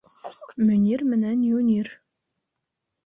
МӨНИР МЕНӘН ЮНИР